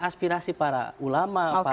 inspirasi para ulama